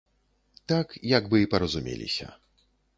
Так як бы і паразумеліся.